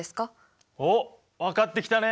おっ分かってきたね